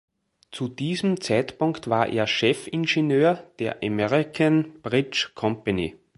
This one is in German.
Zu diesem Zeitpunkt war er Chefingenieur der American Bridge Company.